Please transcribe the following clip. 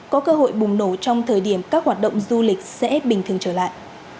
có cơ hội bùng nổ trong thời điểm các hoạt động du lịch sẽ bình thường trở lại